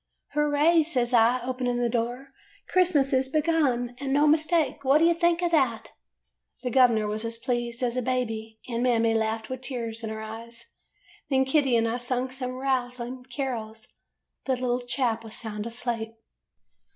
" 'Hooray,' says I, opening the door. 'Christ mas is begun and no mistake. What do you think of that.' "The gov'ner was as pleased as a baby, and Mammy laughed with tears in her eyes. Then Kitty and I sung some rousing carols. The little chap was sound asleep.